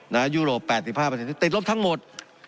นะฮะยูโรปแปดสิบห้าเปอร์เซ็นต์ติดลบทั้งหมด